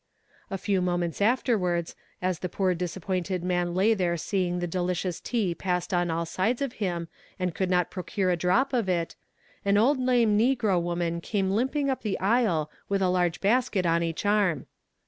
A few moments afterwards, as the poor disappointed man lay there seeing the delicious tea passed on all sides of him and could not procure a drop of it, an old lame negro woman came limping up the aisle with a large basket on each arm.